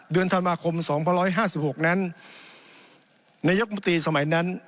เดือนธันวาคม๒๕๖นั้นนายกมนตรีสมัยนั้น